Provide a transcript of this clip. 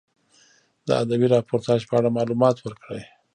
د ادبي راپورتاژ په اړه معلومات ورکړئ.